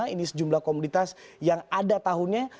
ini sejumlah komoditas yang ada tahunnya